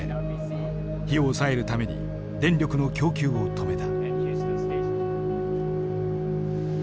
火を抑えるために電力の供給を止めた。